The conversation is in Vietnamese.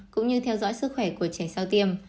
cũng như theo dõi sức khỏe của trẻ sau tiêm